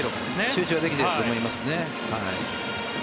集中はできてると思いますね。